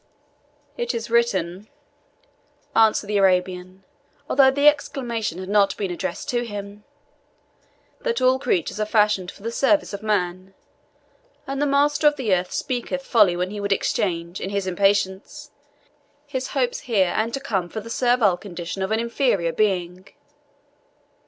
"It is written," answered the Arabian, although the exclamation had not been addressed to him, "that all creatures are fashioned for the service of man; and the master of the earth speaketh folly when he would exchange, in his impatience, his hopes here and to come for the servile condition of an inferior being."